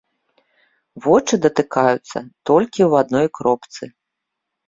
Вочы датыкаюцца толькі ў адной кропцы.